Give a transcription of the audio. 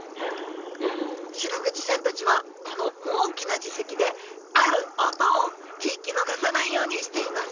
シログチちゃんたちはこの大きな耳石である音を聞き逃さないようにしています